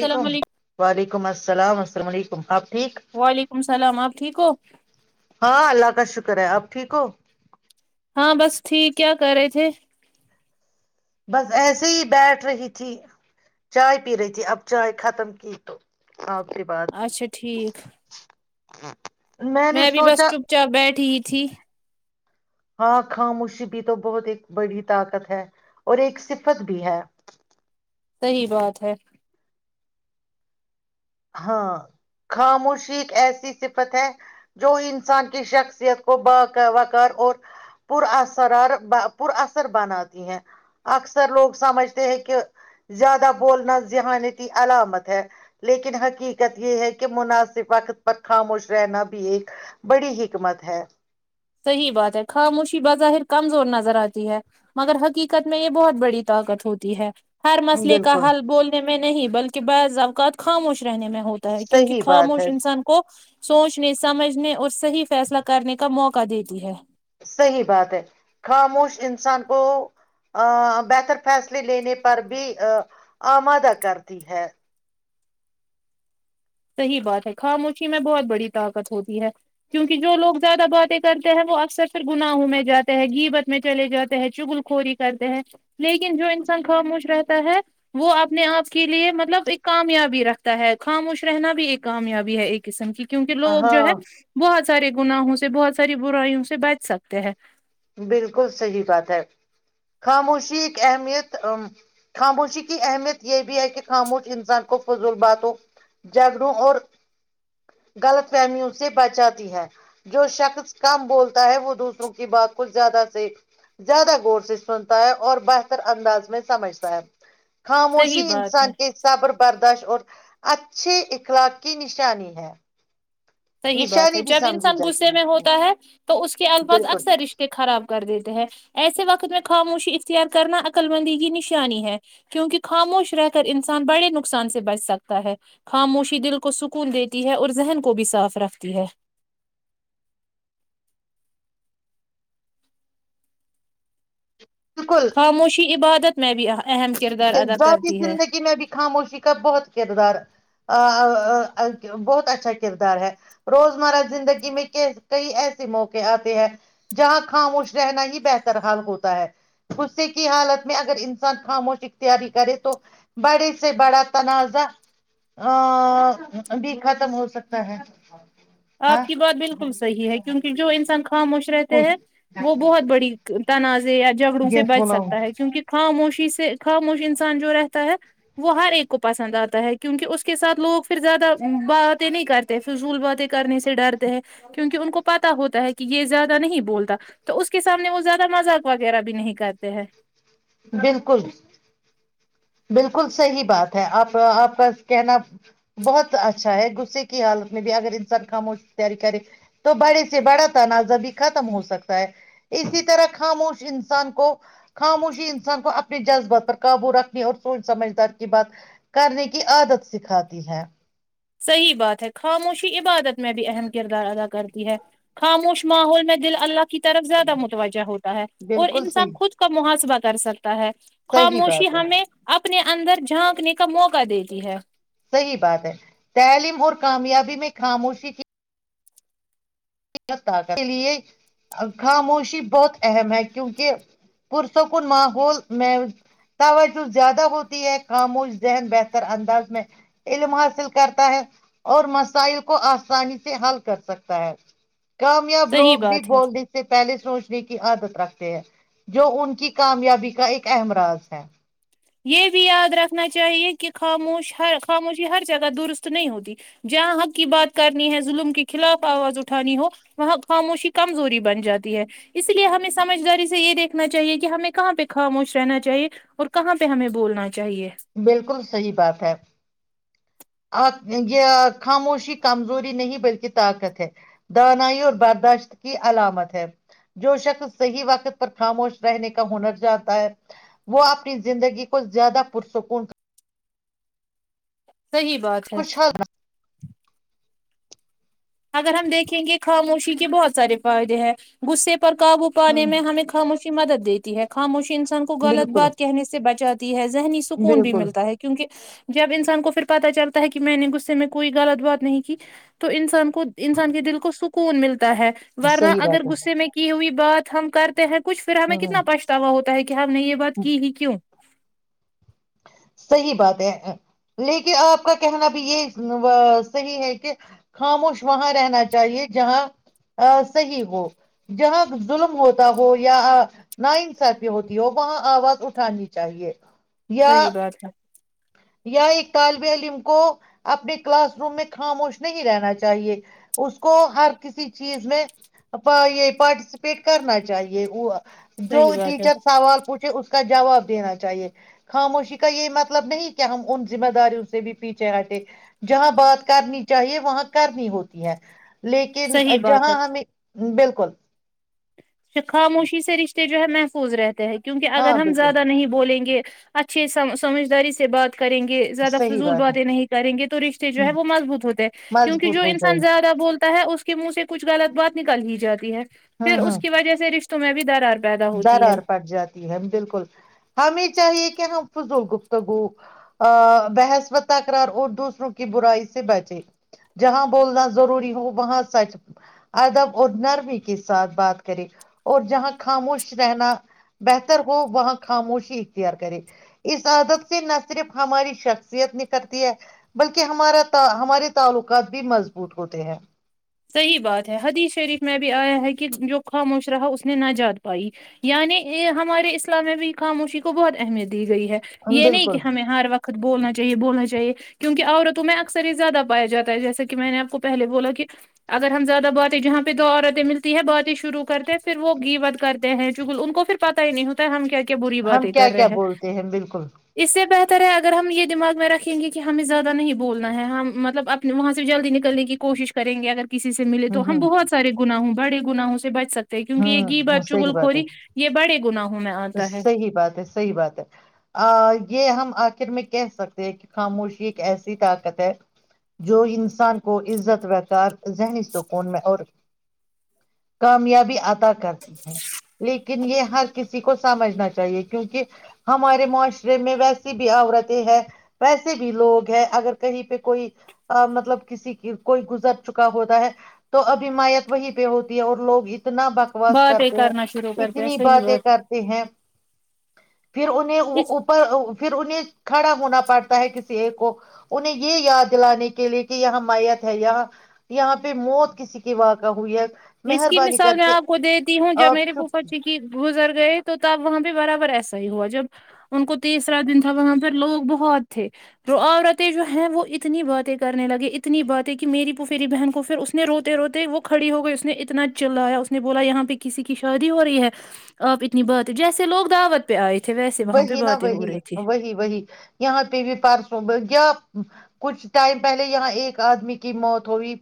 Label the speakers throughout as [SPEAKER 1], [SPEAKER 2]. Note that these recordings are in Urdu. [SPEAKER 1] السلام علیکم
[SPEAKER 2] وعلیکم السلام السل السلام علیکم آپ ٹھیک
[SPEAKER 1] وعلیکم السلام آپ ٹھیک ہو
[SPEAKER 2] ہاں اللہ کا شکر ہے آپ ٹھیکو
[SPEAKER 1] ہاں بس ٹھیک ہے کرے تھے
[SPEAKER 2] بس ایسے ہی بیٹھ رہی تھی چائے پی رہی تھی اب چائے ختم کی تو آپ سے بات کی
[SPEAKER 1] اچھا ٹھیک
[SPEAKER 2] [inaudible] نے
[SPEAKER 1] میں بھی بس
[SPEAKER 2] سوچا
[SPEAKER 1] چپ چاپ بیٹھ تھی تھی
[SPEAKER 2] ہاں خاموشی بھی تو بہت ایک بڑی طاقت ہے اور ایک صفت بھی ہے
[SPEAKER 1] صحی بات ہے
[SPEAKER 2] ہاں خاموشی ایک ایسی صفت ہے جو انسان کی شخصیت کو با وقار اور پر اسرار پر اثر بناتی ہیں اکثر لوگ سمجھتے ہیں کہ زیادہ بولنا ذہانتی علامت ہے لیکن حقیقت یہ ہے کہ مناسب وقت پر خاموش رہنا بھی ایک بڑی حکمت ہے
[SPEAKER 1] صحیح بات ہے خاموشی بظاہر کمزور نظر آتی ہے مگر حقیقت میں یہ بہت بڑی طاقت ہوتی ہے ہر مسئلے کا
[SPEAKER 2] بالکل
[SPEAKER 1] حل بولنے میں میں نہیں بلکہ بعض اوقات خاموش رہنے میں ہوتا ہے کیونکہ
[SPEAKER 2] صحیح بات
[SPEAKER 1] خاموش
[SPEAKER 2] ہے
[SPEAKER 1] انسان کو سوچنے سمجھنے اور صحیح فیصلہ کرنے کا موقع کا دیتی ہے
[SPEAKER 2] صحیح بات ہے خاموش انسان کو ا بہتر فیصلے لینے پر بھی آمادہ کرتی ہے
[SPEAKER 1] صحیح بات ہے خاموشی میں بہت بڑی طاقت ہوتی ہے کیونکہ جو لوگ زیادہ باتیں کرتے ہیں وہ اکثر پھر گناہوں میں جاتے ہیں گیبت میں چلے جاتے ہیں چگل خوری کرتے ہیں لیکن جو انسان خاموش رہتا ہے وہ اپنے آپ کے لیے مطلب ایک کامیابی رکھتا ہے خاموش رہنا بھی ایک کامیابی ہے ایک قسم کی کیونکہ لوگ جو ہے
[SPEAKER 2] ہاں
[SPEAKER 1] بہت سارے گناہوں سے بہت ساری برائیوں سے بچ سکتے ہیں
[SPEAKER 2] بالکل صحی بات ہے خاموشی ایک اہمیت ا خاموشی کی اہمیت یہ بھی ہے کہ خاموش انسان کو فضل باتوں جگڑوں اور غلط فہمیوں سے بچاتی ہے جو شخص کم بولتا ہے وہ دوسروں کی بات زیادہ سے زیادہ ور سے سنتا ہے اور بہتر انداز میں سمجھتا ہے
[SPEAKER 1] صحیح
[SPEAKER 2] خاموشی
[SPEAKER 1] بات ہے
[SPEAKER 2] انسان کے حساب بر برد اور اچھے اخلاق کی نشانی ہے
[SPEAKER 1] صحیح بات ہے
[SPEAKER 2] نشانی بھی
[SPEAKER 1] جب
[SPEAKER 2] سمجھی
[SPEAKER 1] انسان
[SPEAKER 2] جاتی
[SPEAKER 1] غصے میں ہوتا ہے تو اس کے الفاظ
[SPEAKER 2] بالکل
[SPEAKER 1] اکثر رشتے خراب کر دیتے ہیں ایسے وقت میں خاموشی اختیار کرنا عقل بندی کی نشانی ہے کیونکہ خاموش رہ کر انسان بڑے نقصان سے بچ سکتا ہے خاموشی دل کو سکون دیتی ہے اور ذہن کو بھی صاف ترفتی ہے
[SPEAKER 2] بالکل
[SPEAKER 1] خاموشی عبادت میں بھی آ
[SPEAKER 2] ذاتی زندگی میں بھی خاموشی کا بہت کردار بہت اچھا کردار ہے روزمرہ زندگی میں کئی ایسے موقع آتے ہیں جہاں خاموش رہنا ہی بہتر حال ہوتا ہے غصے کی حالت میں اگر انسان خاموش کرے تو بڑے سے بڑا تنازعہ ا بھی ختم ہو سکتا ہے ہاں
[SPEAKER 1] آپ کی بات بالکل صحیح ہے کیونکہ جو انسان خاموش رہتے ہیں وہ بہت بڑی تنازع یا جگڑوں سے بچ سکتا ہے کیونکہ خ وشی سے خاموشی انسان جو رہتا ہے وہ ہر ایک کو پسند آتا ہے کیونکہ اس کے ساتھ لوگ پھر زیادہ باتیں نہیں کرتے فضول باتیں کرنے سے ڈرتے ہیں کیونکہ ان کو پتا ہوتا ہے کہ یہ زیادہ نہیں بولتا تو اس کے سامنے وہ زیادہ مذاق وغیرہ بھی نہیں کرتے ہیں
[SPEAKER 2] بالکل بالکل صحیح بات ہے آپ آپ کا کہنا بہت اچھا ہے غصے کی حالت میں بھی اگر انسان خاموش کی تیاری کرے تو بڑے سے بڑا تنازع بھی ختم ہو سکتا ہے اسی طرح خاموش انسان کو خاموشی انسان کو اپنے جذبات پر قابو رکھ اور سوچ سمجھدار کی بات کرنے کی عادت سکھاتی ہے
[SPEAKER 1] صحیح بات ہے خاموشی عبادت میں بھی اہم کردار ادا کرتی ہے خاموش ماحول میں دل اللہ کی طرف زیادہ متوجہ ہوتا ہے اور
[SPEAKER 2] بالکل
[SPEAKER 1] انسان
[SPEAKER 2] صحیح
[SPEAKER 1] خود کا محاسبہ کر سک ہے
[SPEAKER 2] صحیح
[SPEAKER 1] خاموشی
[SPEAKER 2] بات ہے
[SPEAKER 1] ہمیں اب اپنے اندر جھانکنے کا موقع دیتی ہے
[SPEAKER 2] صحیح بات ہے تعلیم اور کامیابی میں خاموشی کی کے لیے خاموشی بہت اہم ہے کیونکہ پرسکن ماحول میں توجہ زیادہ ہوتی ہے خاموش ذہن بہتر انداز میں علم حاصل کرتا ہے اور مسائل کو آسانی سے حل کر سکتا ہے کامیاب
[SPEAKER 1] صحیح
[SPEAKER 2] لوگ بھی
[SPEAKER 1] بات ہے
[SPEAKER 2] بولنے سے پہلے سوچ کی عادت رکھتے ہیں جو ان کی کامیابی کا ایک اہم راز ہے
[SPEAKER 1] یہ بھی یاد رکھنا چاہیے کہ خاموش ہر خاموشی ہر جگہ درست نہیں ہوتی جہاں حق کی بات کرنی ہے ظلم کے خلاف آواز اٹھانی ہو وہاں خاموشی کمزوری بن جاتی ہے اس لیے ہمیں سمجھداری سے یہ دیکھنا چاہیے کہ ہمیں کہاں پہ خاموش رہنا چاہیے اور کہاں پہ ہمیں بولنا چاہیے
[SPEAKER 2] بالکل صحی بات ہے آ یہ خاموشی کمزوری نہیں بلکہ طاقت ہے دانائی اور برداشت کی علامت ہے جو شخص صحیح وقت پر خاموش رہنے کا ہنر چاہتا ہے وہ اپنی زندگی کو زیادہ پرسکون
[SPEAKER 1] صحی بات ہے
[SPEAKER 2] خوشحال
[SPEAKER 1] اگر ہم دیکھیں گے خاموشی کے بہت سارے فائدے ہیں غے پر قابو
[SPEAKER 2] ہ
[SPEAKER 1] پانے میں ہمیں خ مش مدد دیتی ہے خاموشی انسان کو غلط
[SPEAKER 2] بالکل
[SPEAKER 1] بات کہنے سے بچات د ت ہے ذہنی سکون بھی
[SPEAKER 2] بالکل
[SPEAKER 1] ملتا ہے کیونکہ جب انسان کو پھر پتا چلتا ہے کہ میں نے غصے میں کوئی غلط بات نہیں کی تو انسان انسان کے دل کو سکون ملتا ہے ورنا
[SPEAKER 2] صحیح
[SPEAKER 1] اگر
[SPEAKER 2] بات ہے
[SPEAKER 1] غصے میں کی ہوئی بات ہم کرتے ہیں کچ پھر ہمیں
[SPEAKER 2] ہ ہ
[SPEAKER 1] کتنا پچھتاوا ہوتا کیا آپ نے یہ بات کی ہی کیوں
[SPEAKER 2] صحی بات ہے لیکن آپ کا کہنا بھی یہ صحیح ہے کہ خاموش وہاں رہنا چاہیے جہاں صحیح ہو جہاں ظلم ہوتا ہو یا نا انصافی ہوتی ہو وہاں آواز اٹھانی چاہیے
[SPEAKER 1] صحی
[SPEAKER 2] یا
[SPEAKER 1] بات ہے
[SPEAKER 2] یا ایک طالب علم کو اپنے کلاس روم میں خاموش نہیں رہنا چاہیے اس کو ہر کسی چیز میں یہ پارٹیسپیٹ کرنا چاہیے وہ جو
[SPEAKER 1] صحیح بات ہے
[SPEAKER 2] ٹیچر سوال پوچھے اس کا جواب دینا چاہیے خاموشی کا یہ مطلب نہیں ہم ان ذمہ داریوں سے بھی پیچھے ہٹے جہاں بات کرنی چاہیے وہاں کرنی ہوتی ہے لیکن
[SPEAKER 1] صحیح بات ہے
[SPEAKER 2] جہاں ہمیں بالکل بالکل
[SPEAKER 1] ش خاموشی سے رشتے جو ہے محفوظ رہتے ہیں کیونکہ اگر
[SPEAKER 2] ہاں
[SPEAKER 1] ہم
[SPEAKER 2] بالکل
[SPEAKER 1] زیادہ نہیں بولیں گے اچھی س سمجھداری سے بات کریں گے زیادہ
[SPEAKER 2] صحیح
[SPEAKER 1] فضول
[SPEAKER 2] بات
[SPEAKER 1] باتیں نہیں کریں گے تو رشتے جو ہے وہ مضبوط ہوتے ہیں کیونکہ
[SPEAKER 2] مضبوط
[SPEAKER 1] جو
[SPEAKER 2] ہو جائے
[SPEAKER 1] انسان زیادہ بولتے اس کے منہ سے کچھ غلط بات نکال ہی جاتی ہے
[SPEAKER 2] ہاں ہاں
[SPEAKER 1] رشت میں بھی در آ رہ
[SPEAKER 2] درار پڑ جاتی ہے بالکل ہمیں چاہیے کہ ہم فضول گپتگو بحسبت تقرار اور دوسروں کی برائی سے بچے جہاں بولنا ضروری ہو وہاں سچ ادب اور نرمی کے ساتھ بات کرے اور جہاں خاموش رہنا بہتر ہو وہاں خاموشی اختیار کرے اس عادت سے نہ صرف ہماری شخصیت نکلتی ہے بلکہ ہمارا ہمارے تعلقات بھی مضبوط ہوتے ہیں
[SPEAKER 1] صحیح بات ہے حدیث شریف میں بھی آیا ہے کہ جو خاموش رہا اس نے نہ جاات پائی یعنی ہمارے اسلام میں بھی خاموشی کو بہت اہمیت دی گئی ہے یہ نہیں
[SPEAKER 2] بالکل
[SPEAKER 1] کہ ہمیں ہر وقت بولنا چاہیے بولنا چاہیے کیونک عورتوں میں اکثر ہی زیادہ پایا جاتا ہے جیسے کہ میں نے آپ کو پہلے بولا کہ اگر ہم زیادہ باتیں جہاں پہ دو عورتیں ملتی ہے باتیں شروع کرتے ہیں پھر وہ گی وت کرتے ہیں جگل ان کو پھر پتہ ہی نہیں ہوتا ہے ہم کیا کیا بری
[SPEAKER 2] ہم
[SPEAKER 1] باتیں
[SPEAKER 2] کیا
[SPEAKER 1] کر
[SPEAKER 2] کیا بولتے ہیں بالکل
[SPEAKER 1] طرح اگر ہم یہ دماغ میں رکھیں گے کہ ہمیں زیادہ نہیں بولنا ہے ہم مطلب اپنے وہاں سے بھی جلدی نکلنے کی کوشش کریں گے اگر کسی سے ملے
[SPEAKER 2] ہ
[SPEAKER 1] تو ہم بہت سارے گناہوں بڑے گناہوں سے بچ سکتے
[SPEAKER 2] ہ
[SPEAKER 1] کیونک یہ گھی بچو گل خوری یہ بڑے گنا
[SPEAKER 2] تو صحیح بات ہے صحیح بات ہے یہ ہم آخر میں کہہ سکتے ہیں کہ خاموشی ایک ایسی طاقت ہے جو انسان کو عزت وقار ذہنی سکون میں اور کامیابی عطا کرتی ہے لیکن یہ ہر کسی کسی کو سمجھنا چاہیے کیونکہ ہمارے معاشرے میں ویسی بھی عورتیں ہے ویسے بھی لوگ ہے اگر کہیں پہ کوئی مطلب کسی کی کوئی گزر چکا ہوتا ہے تو اب امایت وہی پہ ہوتی ہے اور لوگ اتنا بکواس
[SPEAKER 1] باتیں
[SPEAKER 2] کرتے ہیں
[SPEAKER 1] کرنا شروع کرتے ہیں
[SPEAKER 2] اتنی
[SPEAKER 1] صحیح
[SPEAKER 2] باتیں
[SPEAKER 1] بات
[SPEAKER 2] ہے پھر انہیں
[SPEAKER 1] اس
[SPEAKER 2] اوپر پھر انہیں کھڑا ہونا پڑتا ہے کسی ایک کو انہیں یہ یاد دلانے کے لیے کہ یہاں میت ہے یہاں یہاں پہ موت کسی کی واں کا ہوئی ہے
[SPEAKER 1] اس کی
[SPEAKER 2] مہربانی
[SPEAKER 1] مثال
[SPEAKER 2] کر
[SPEAKER 1] میں
[SPEAKER 2] کے
[SPEAKER 1] آپ کو دیتی ہوں جب میرے
[SPEAKER 2] آپ چپ
[SPEAKER 1] فوفا جی کی گزر گئے تو تب وہاں پہ برابر ایسا ہی ہوا جب ان کو تیسرا دن تھا وہاں پہ لوگ بہت تھے عورتیں جو ہیں وہ اتنی باتیں کرنے لگے اتنی باتیں کہ میریی فوفیری بہن کو پھر اس نے روتے روتے وہ کھڑی ہو گئی نے اتنا چلایا اس نے بولا یہاں پہ کسی کی شادی ہو رہی ہے آپ اتنی بات جیسے لوگ دعوت پہ آئے تھے ویسے وہاں پہ
[SPEAKER 2] وہی نہا
[SPEAKER 1] باتیں ہو
[SPEAKER 2] وہی
[SPEAKER 1] رہی تھی
[SPEAKER 2] وہی وہی یہاں پہ پاس مے کیا کچھ ٹائم پہلے یہاں ایک آدمی کی موت ہوئی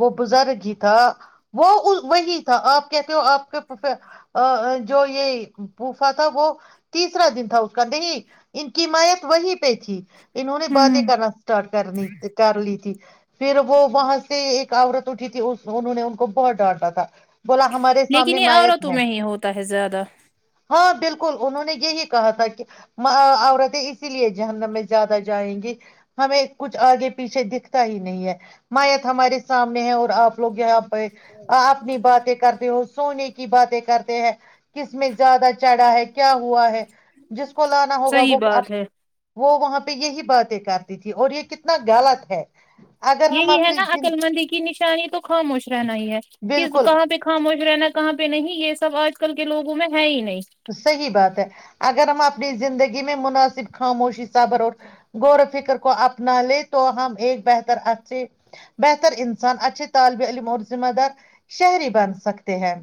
[SPEAKER 2] وہ بزرگ ہی تھا وہ وہی تھا آپ کہتے ہو آپ کے پوفا جو یہ پوفا تھا وہ تیسرا دن تھا اس کا نہیں ان کی میت وہی پہ تھی اننہوں نے بعاتیں کرنا اسٹارٹ کرنی کر لی تھی پھر وہ وہاں سے ایک عورت اٹھی تھی انہوں نے ان کو بہت ڈانٹا تھا بولا ہمارے
[SPEAKER 1] لیکن
[SPEAKER 2] سامنے
[SPEAKER 1] یہ
[SPEAKER 2] میت
[SPEAKER 1] عورتوں
[SPEAKER 2] ہے
[SPEAKER 1] میں ہی ہوتا ہے زیادہ
[SPEAKER 2] ہاں بالکل انہوں نے یہی کہا تھا کہ عورتیں اسی لیے جہنم میں زیادہ جائیں گی ہمیں کچھ آگے پیچھے دکھتا ہی نہیں ہے میت ہمارے سامنے ہے اور آپ لوگ یہاں پے اپنی باتیں کرتے ہو سونے کی باتیں کرتے ہیں کس میں زیادہ چڑھا ہے کیا ہوا ہے جس کو لانا ہوگا
[SPEAKER 1] صحیح
[SPEAKER 2] وہ
[SPEAKER 1] بات ہے
[SPEAKER 2] وہ وہاں میں یہی باتیں کرتی تھی اور یہ کتنا غلط ہے اگر ہم
[SPEAKER 1] یہی ہے
[SPEAKER 2] اپنی
[SPEAKER 1] نا
[SPEAKER 2] زن-
[SPEAKER 1] عقللمندی کی نشانی تو خاموش رہنا ہی ہے کس
[SPEAKER 2] بالکل
[SPEAKER 1] مقام پہ خاموش رہنا کہاں پہ نہیں یہ سب آج کل کے لوگوں میں ہے ہی نہیں
[SPEAKER 2] صحیح بات ہے اگر ہم اپنی زندگی گی میں مناسب خاموشی صبر اور غور و فکر کو اپنا لے تو ہم ایک بہتر اچھے بہتر انسان اچھے طالب علم اور ذمہ دار شہری بن سکتے ہیں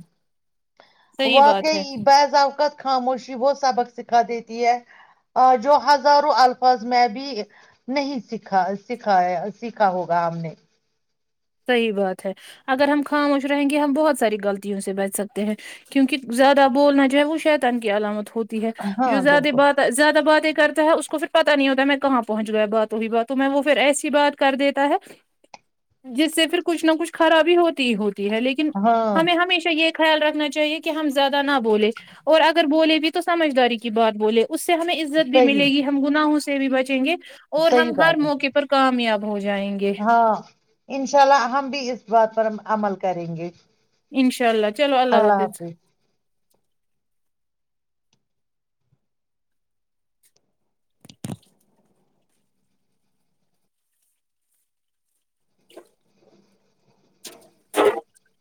[SPEAKER 1] صحیح بات ہے
[SPEAKER 2] واقعی بعض اوقات خاموشی وہ سبق سکھا دیتی ہے جو ہزاروں الفاظ میں بھی نہیں سکھا سکھا سیکھا ہوگا ہم نے
[SPEAKER 1] صحیح بات ہے اگر ہم خاموش رہیں گے ہم بہت ساری غلطیوں سے بچ سکتے ہیں کیونکہ زیادہ بولنا جو ہے وہ شیطان کی علامت ہوتی ہے جو
[SPEAKER 2] ہاں
[SPEAKER 1] زیادہ
[SPEAKER 2] بالکل
[SPEAKER 1] بات زیادہ باتیں کرتا ہے اس کو پھر پتا نہیں ہوتا میں کہاں پہنچ گا باتو ہی باتو میں وہ پھر ایسی بات کر دیتا ہے جس سے پھر کچھ نہ کچھ خرابی ہوتی ہی ہوتی ہے لیکن
[SPEAKER 2] ہاں
[SPEAKER 1] ہمیں ہمیشہ یہ خیال رکھنا چاہیے کہ ہم زیادہ نہ بولے اور اگر بولے بھی تو سمجھداری کی بات بولے اس سے ہمیں عزت بھی ملے
[SPEAKER 2] صحیح
[SPEAKER 1] گی ہم گناہو سے بھی بچیں گے اور ہم
[SPEAKER 2] صحیح
[SPEAKER 1] ہر
[SPEAKER 2] بات ہے
[SPEAKER 1] موقع پر کامیاب ہو جائیں گے
[SPEAKER 2] ہاں انشاء اللہ ہم بھی اس بات پر اب عمل کریں گے
[SPEAKER 1] انشاء اللہ چلو اللہ حافظ [inaudible]